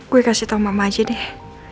gue kasih tau mama aja deh